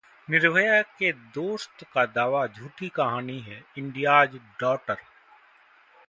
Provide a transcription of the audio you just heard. निर्भया के दोस्त का दावा, झूठी कहानी है 'इंडियाज डॉटर'